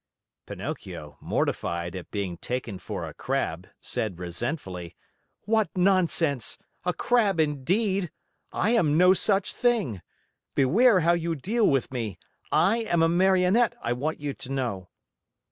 Pinocchio, mortified at being taken for a crab, said resentfully: "What nonsense! A crab indeed! I am no such thing. Beware how you deal with me! I am a Marionette, I want you to know."